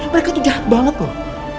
mereka tuh jahat banget loh